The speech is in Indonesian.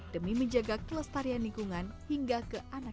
demi menjaga kelestarian lingkungan hingga ke anak anak